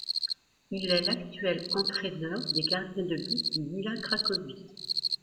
Il est l'actuel entraîneur des gardiens de but du Wisła Cracovie.